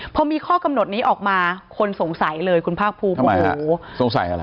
พอมีข้อกำหนดนี้ออกมาคนสงสัยเลยคุณภาพภูมิ